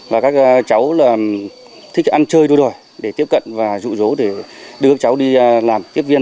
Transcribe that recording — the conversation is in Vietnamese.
và các cháu là thích ăn chơi đôi đòi để tiếp cận và dụ dỗ để đưa các cháu đi làm tiếp viên